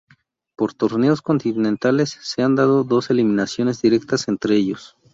Por torneos continentales, se han dado dos eliminaciones directas entre ellos.